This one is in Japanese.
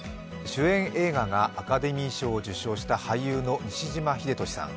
主演映画がアカデミー賞を受賞した、俳優の西島秀俊さん。